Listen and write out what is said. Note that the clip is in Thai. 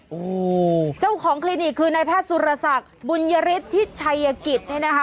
โอ้โหเจ้าของคลินิกคือนายแพทย์สุรศักดิ์บุญยฤทธิชัยกิจเนี่ยนะคะ